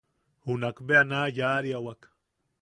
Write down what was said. Junak bea na yaʼariawak.